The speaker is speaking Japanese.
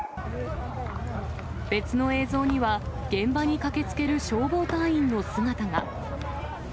別の映像には、現場に駆けつける消防隊員の姿が。